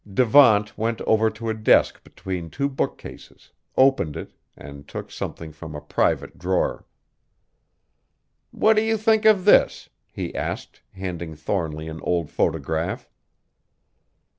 Devant went over to a desk between two bookcases, opened it, and took something from a private drawer. "What do you think of this?" he asked, handing Thornly an old photograph.